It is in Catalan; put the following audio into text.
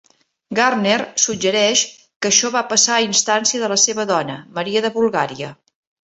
Gardner suggereix que això va passar a instància de la seva dona, Maria de Bulgària.